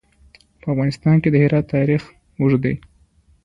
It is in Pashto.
په افغانستان کې د هرات تاریخ اوږد دی.